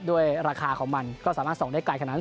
ด้วยราคาของมันก็สามารถส่องได้ไกลขนาดนั้น